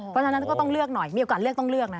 เพราะฉะนั้นก็ต้องเลือกหน่อยมีโอกาสเลือกต้องเลือกนะ